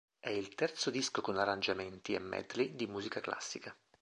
È il terzo disco con arrangiamenti e medley di musica classica.